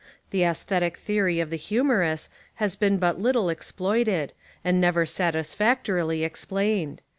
The esthetic theory of the humorous has been but little exploited, and never satisfactorily explained.